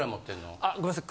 ごめんなさい。